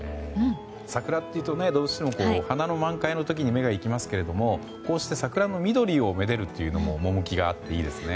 桜というとどうしても花の満開の時に目が行きますけれどもこうして桜の緑をめでるのも趣があっていいですよね。